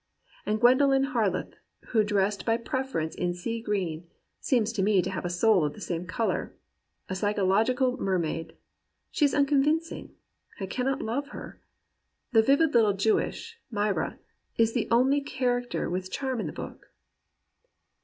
And Gwendolen Harleth, who dressed by preference in sea green, seems to me to have a soul of the same colour — a psychological mermaid. She is unconvincing. I cannot love her. The vivid little Jewess, Mirah, is the only character with charm in the book.